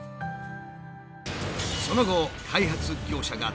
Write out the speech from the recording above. その後開発業者が倒産。